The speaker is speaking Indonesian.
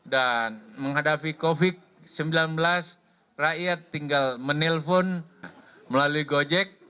dan menghadapi covid sembilan belas rakyat tinggal menelpon melalui gojek